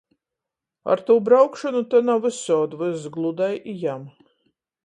Ar tū braukšonu to na vysod vyss gludai i jam.